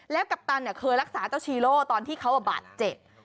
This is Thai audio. กัปตันเคยรักษาเจ้าชีโร่ตอนที่เขาบาดเจ็บ